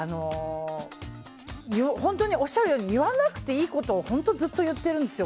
本当におっしゃるように言わなくていいことを本当ずっと言ってるんですよ